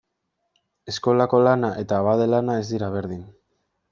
Eskolako lana eta abade lana ez dira berdin.